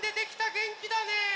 げんきだね。